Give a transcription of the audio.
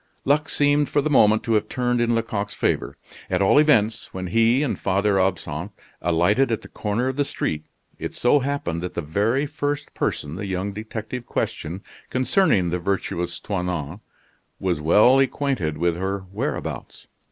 Luck seemed for the moment to have turned in Lecoq's favor. At all events, when he and Father Absinthe alighted at the corner of the street, it so happened that the very first person the young detective questioned concerning the virtuous Toinon was well acquainted with her whereabouts.